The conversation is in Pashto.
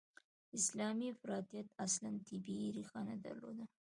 اسلامي افراطیت اصلاً طبیعي ریښه نه درلوده.